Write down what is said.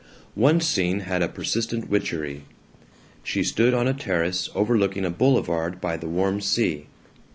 One scene had a persistent witchery: She stood on a terrace overlooking a boulevard by the warm sea.